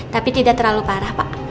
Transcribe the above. tapi tidak terlalu parah pak